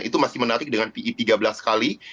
itu masih menarik dengan pi tiga belas kali